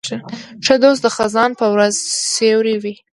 ښه دوست د خزان په ورځ سیوری وي.